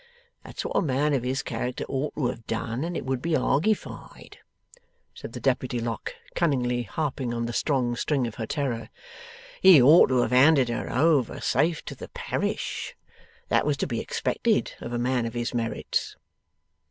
That's what a man of his character ought to have done, it would be argueyfied,' said the Deputy Lock, cunningly harping on the strong string of her terror; 'he ought to have handed her over safe to the Parish. That was to be expected of a man of his merits.